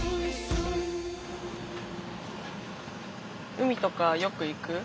海とかよく行く？